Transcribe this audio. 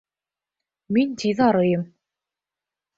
Мин тиҙ арыйым.